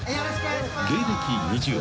［芸歴２０年］